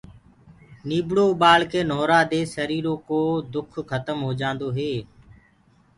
نيٚڀڙو اُٻآݪڪي نهووآدي سريٚرو ڪو دُک کتم هو جآنٚدو هي